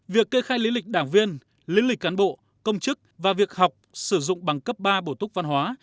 việc kê khai lý lịch đảng viên lý lịch cán bộ công chức và việc học sử dụng bằng cấp ba bổ túc văn hóa